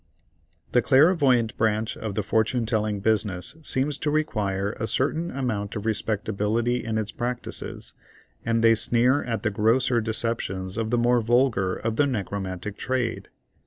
The clairvoyant branch of the fortune telling business seems to require a certain amount of respectability in its practices, and they sneer at the grosser deceptions of the more vulgar of the necromantic trade.